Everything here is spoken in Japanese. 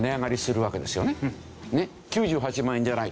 ９８万円じゃない。